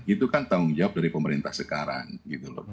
itu kan tanggung jawab dari pemerintah sekarang gitu lho